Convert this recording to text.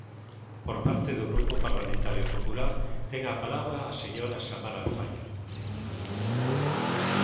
Por parte do Grupo Parlamentario Popular, ten a palabra a señora Samar Alfaia.